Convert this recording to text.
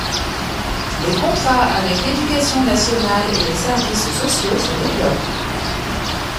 Les contrats avec l’Éducation nationale et les services sociaux se développent.